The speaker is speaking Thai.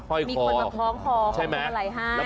มีคนมาพร้อมของมาลัยให้